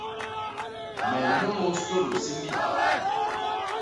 Me nnôñôs tôlô siñgi.